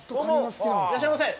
いらっしゃいませ。